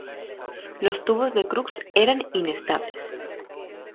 Los tubos de Crookes eran inestables.